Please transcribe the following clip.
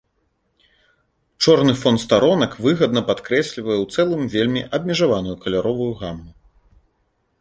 Чорны фон старонак выгадна падкрэслівае ў цэлым вельмі абмежаваную каляровую гаму.